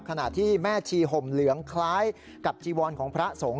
ขณะที่แม่ชีห่มเหลืองคล้ายกับจีวรของพระสงฆ์